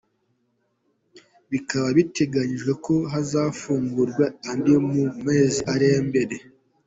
Bikaba biteganijwe ko hazafungurwa andi mu mezi ari imbere.